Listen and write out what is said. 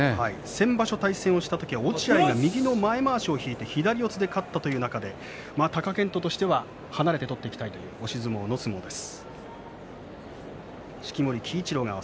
先場所は落合が前まわしを引いて左四つで勝ったという中で貴健斗としては離れて取っていきたいという押し相撲の相撲です。